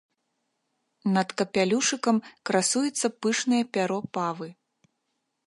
Над капялюшыкам красуецца пышнае пяро павы.